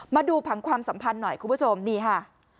มาดูผังความสัมพันธ์หน่อยคุณผู้ชมนี่ค่ะ